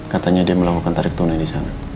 katanya dia melakukan tarik tunai disana